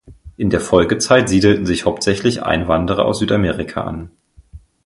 In der Folgezeit siedelten sich hauptsächlich Einwanderer aus Südamerika an.